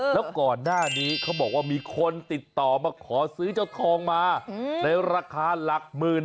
ราคาสองหมื่น